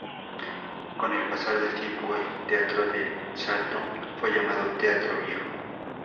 Con el pasar del tiempo el "Teatro del Salto" fue llamado "Teatro Viejo".